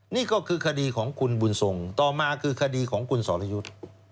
นี่ก็คือคดีของคุณบุญทรงต่อมาคือคดีของคุณสรยุทธ์